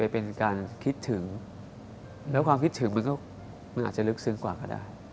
เป็นการคิดถึงแล้วความคิดถึงมันก็มันอาจจะลึกซึ้งกว่าก็ได้